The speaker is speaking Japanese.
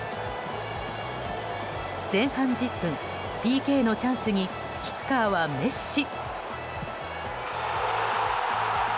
前半１０分、ＰＫのチャンスにキッカーはメッシ。